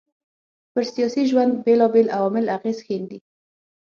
پر سياسي ژوند بېلابېل عوامل اغېز ښېندي